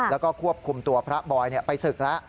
แล้วก็ควบคุมตัวพระบอยไปศึกแล้ว